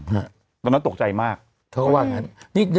อืมตอนนั้นตกใจมากเขาก็ว่าอย่างนั้น